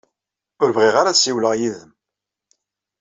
Ur bɣiɣ ara ad ssiwleɣ yid-m.